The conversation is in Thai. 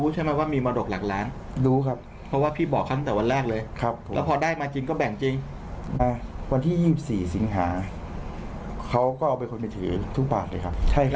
ใช่ครับตอนนั้นรักมากนะ